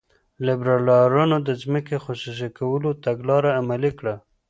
لیبرالانو د ځمکې خصوصي کولو تګلاره عملي کړه.